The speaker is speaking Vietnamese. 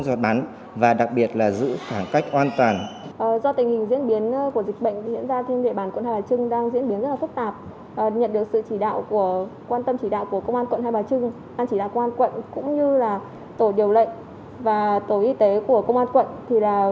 đang chỉ đạo công an quận cũng như tổ điều lệnh và tổ y tế của công an quận